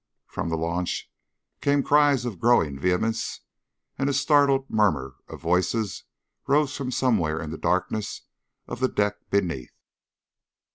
From the launch came cries of growing vehemence, and a startled murmur of voices rose from somewhere in the darkness of the deck beneath.